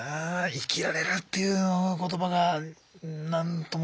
生きられるっていう言葉が何とも。